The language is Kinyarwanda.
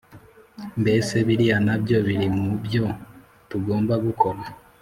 Mbese biriya nabyo birimubyo tugomba gukora